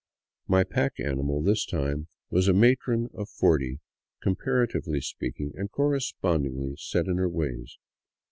My pack animal this time was a matron of forty, comparatively speaking, and correspondingly set in her ways.